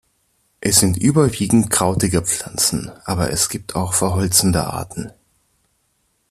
Es sind überwiegend krautige Pflanzen, aber es gibt auch verholzende Arten.